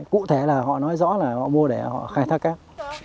cụ thể là họ nói rõ là họ mua để họ khai thác cát